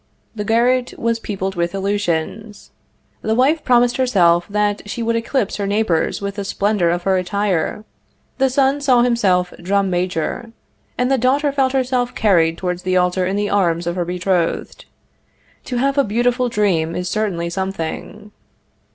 The garret was peopled with illusions; the wife promised herself that she would eclipse her neighbors with the splendor of her attire; the son saw himself drum major, and the daughter felt herself carried toward the altar in the arms of her betrothed. To have a beautiful dream is certainly something.